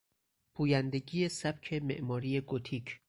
پویندگی سبک معماری گوتیک